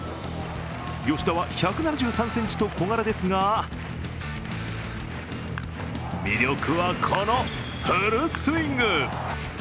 吉田は１７３ｃｍと小柄ですが、魅力はこのフルスイング。